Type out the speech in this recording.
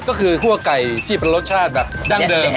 ก็คือคั่วไก่ที่เป็นรสชาติแบบดั้งเดิม